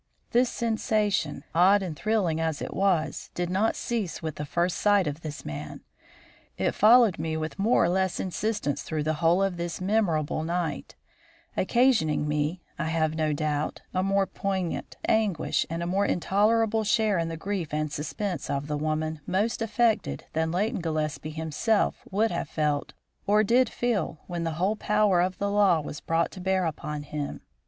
This sensation, odd and thrilling as it was, did not cease with the first sight of this man. It followed me with more or less insistence through the whole of this memorable night, occasioning me, I have no doubt, a more poignant anguish and a more intolerable share in the grief and suspense of the woman most affected than Leighton Gillespie himself would have felt or did feel when the whole power of the law was brought to bear upon him.